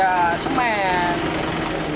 ya semen ya